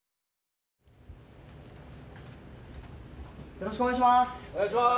よろしくお願いします！